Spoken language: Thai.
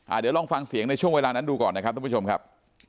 เดี๋ยวลองฟังเสียงในช่วงเวลานั้นดูก่อนนะครับทุกผู้ชมครับ